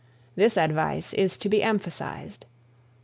This advice is to be emphasized.